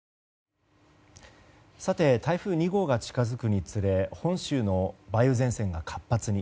台風２号が近づくにつれ本州の梅雨前線が活発に。